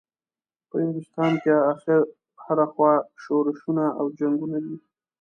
په هندوستان کې هره خوا شورشونه او جنګونه دي.